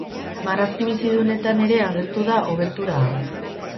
Marrazki bizidunetan ere agertu da obertura hau.